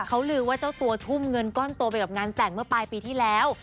เขาลือว่าเจ้าตัวทุ่มเงินก้อนโตไปกับงานแต่งเมื่อปลายปีที่แล้ว